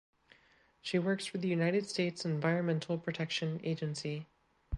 She works for the United States Environmental Protection Agency.